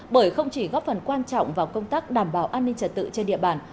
bởi không chỉ góp phần quan trọng vào công tác đảm bảo an ninh trật tự trên địa bàn